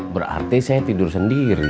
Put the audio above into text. berarti saya tidur sendiri